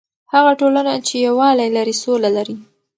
هغه ټولنه چې یووالی لري، سوله لري.